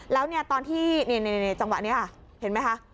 แล้วเนี่ยตอนที่เนี่ยจังหวะเนี่ยเห็นมั้ยคะ